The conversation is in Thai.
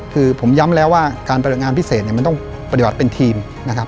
คือผมย้ำแล้วว่าการปฏิบัติงานพิเศษเนี่ยมันต้องปฏิบัติเป็นทีมนะครับ